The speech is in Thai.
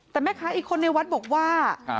แต่แม่คะคนในวัดบอกว่า